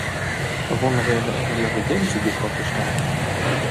Avon haveva era la regenza giu protestau.